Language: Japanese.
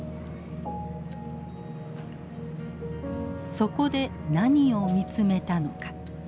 そこで何を見つめたのか。